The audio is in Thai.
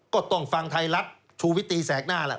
ก็ต้องฟังไทยรัฐชูวิตตีแสกหน้าแหละ